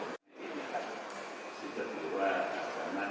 ซึ่งแต่ว่าสามารถทำได้